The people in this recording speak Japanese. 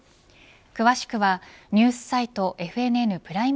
詳しくはニュースサイトＦＮＮプライム